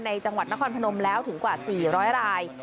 จังหวัดนครพนมแล้วถึงกว่า๔๐๐ราย